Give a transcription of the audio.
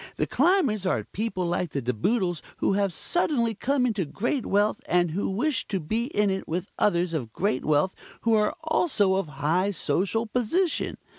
The Climbers are people like the De Boodles, who have suddenly come into great wealth, and who wish to be in it with others of great wealth who are also of high social position.